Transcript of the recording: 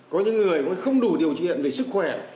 có những người không đủ điều kiện về sức khỏe